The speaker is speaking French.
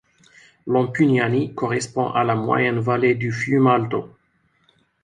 L'Ampugnani correspond à la moyenne vallée du Fium'Alto.